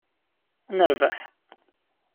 Ad nerbeḥ?